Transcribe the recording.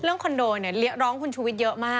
เรื่องคอนโดเนี่ยเรียะร้องคุณชูวิตเยอะมาก